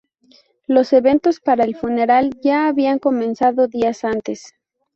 Los eventos para el funeral ya habían comenzado días antes.